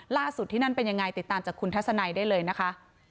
ที่นั่นเป็นยังไงติดตามจากคุณทัศนัยได้เลยนะคะ